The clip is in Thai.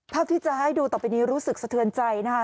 ภาพที่จะให้ดูต่อไปนี้รู้สึกสะเทือนใจนะคะ